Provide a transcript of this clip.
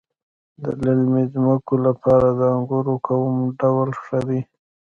د للمي ځمکو لپاره د انګورو کوم ډول ښه دی؟